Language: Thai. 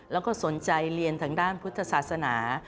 แล้วก็สนใจเรียนทางด้านพุทธศาสนา